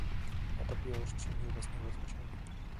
Одоо би урьд шөнө юу болсныг ойлгож байна.